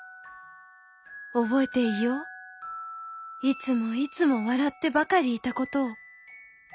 「覚えていよう？いつもいつも笑ってばかりいたことを。